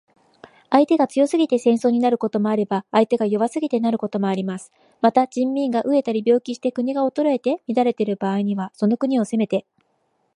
相手が強すぎて戦争になることもあれば、相手が弱すぎてなることもあります。また、人民が餓えたり病気して国が衰えて乱れている場合には、その国を攻めて